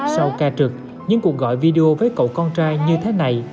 sau ca trực những cuộc gọi video với cậu con trai như thế này